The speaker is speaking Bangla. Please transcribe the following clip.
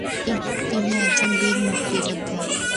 তিনি একজন বীর মুক্তিযোদ্ধা।